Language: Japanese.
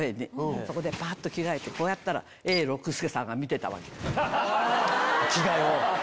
そこでぱっと着替えてこうやったら永六輔さんが見てた。